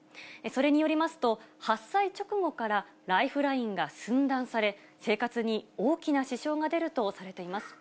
それによりますと、発災直後からライフラインが寸断され、生活に大きな支障が出るとされています。